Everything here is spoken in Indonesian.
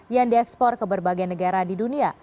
yang diekspor ke berbagai negara di dunia